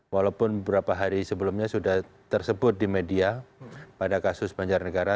walaupun beberapa hari sebelumnya sudah tersebut di media pada kasus banjarnegara